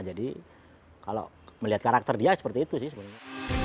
jadi kalau melihat karakter dia seperti itu sih